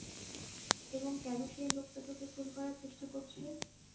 এবং কেন সেই লোকটা তোকে খুন করার চেষ্টা করছে?